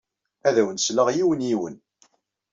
Ad awen-sleɣ yiwen, yiwen.